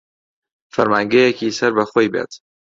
فەرمانگەیەکی سەر بە خۆی بێت